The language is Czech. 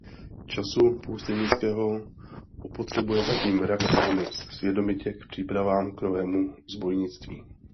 Času poustevnického upotřebuje zatím rak velmi svědomitě k přípravám k novému zbojnictví.